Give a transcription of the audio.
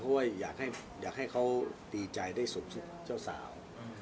เพราะว่าอยากให้เขาดีใจได้สมสุขเจ้าสาว